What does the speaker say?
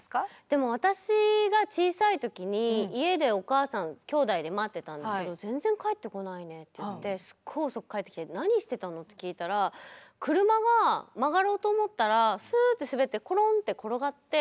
でも私が小さい時に家でお母さんきょうだいで待ってたんですけど全然帰ってこないねって言ってすっごい遅く帰ってきて「何してたの？」って聞いたら車が曲がろうと思ったらスッて滑ってころんって転がって。